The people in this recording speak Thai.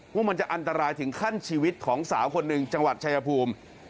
ว่ามันจะอันตรายถึงขั้นชีวิตของสาวคนหนึ่งจังหวัดชายภูมิ